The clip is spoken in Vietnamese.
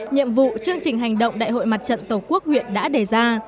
nhiệm vụ chương trình hành động đại hội mặt trận tổ quốc huyện đã đề ra